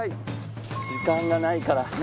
時間がないから。